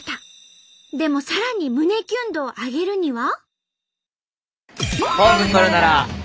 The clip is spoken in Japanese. でもさらに胸キュン度を上げるには？